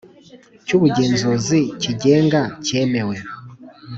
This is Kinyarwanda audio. Cy ubugenzuzi kigenga cyemewe